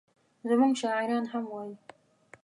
زموږ شاعران هم وایي.